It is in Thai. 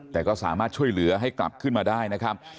แต่ก็สามารถช่วยเหลือให้กลับขึ้นมาได้นะครับ